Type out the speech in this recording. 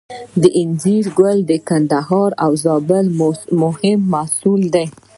انځر د کندهار او زابل مهم محصول دی